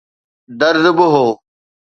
درد به هو.